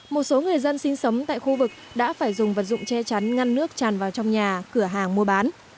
một số người dân sinh sống tại khu vực đã phải dùng vật dụng che chắn ngăn nước tràn vào trong nhà cửa hàng mua bán